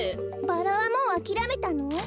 バラはもうあきらめたの？